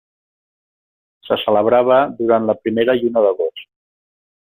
Se celebrava durant la primera lluna d'agost.